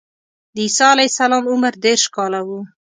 د عیسی علیه السلام عمر دېرش کاله و.